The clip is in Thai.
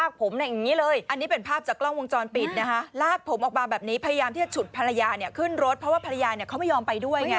อันนี้เป็นภาพจากกล้องวงจรปิดนะคะลากผมออกมาแบบนี้พยายามที่จะฉุดภรรยาเนี่ยขึ้นรถเพราะว่าภรรยาเนี่ยเขาไม่ยอมไปด้วยไง